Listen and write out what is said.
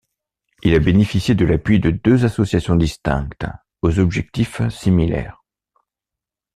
Il a bénéficié de l'appui de deux associations distinctes, aux objectifs similaires.